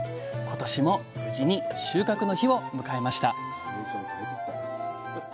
今年も無事に収穫の日を迎えました